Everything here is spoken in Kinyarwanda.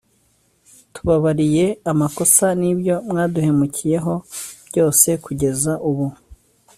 tubababariye amakosa n'ibyo mwaduhemukiyeho byose kugeza ubu